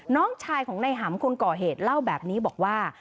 น้องชายของในหำคนก่อเหตุเล่าแบบนี้บอกว่า